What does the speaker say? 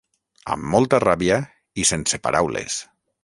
Amb molta ràbia i sense paraules.